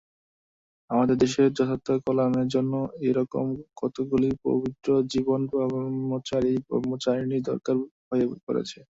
আমাদের দেশে যথার্থ কল্যাণের জন্য এই-রকম কতকগুলি পবিত্রজীবন ব্রহ্মচারী ব্রহ্মচারিণী দরকার হয়ে পড়েছে।